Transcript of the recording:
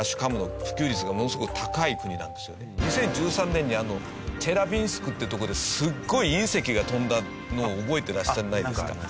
２０１３年にチェリャビンスクって所ですっごい隕石が飛んだのを覚えてらっしゃらないですかね？